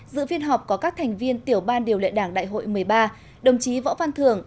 giữa phiên họp có các thành viên tiểu ban điều lệ đảng đại hội một mươi ba đồng chí võ phan thường